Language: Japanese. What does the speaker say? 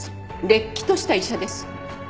れっきとした医者です。